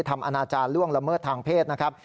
อาณาจารย์ล่วงละเมิดทางเพศนะครับ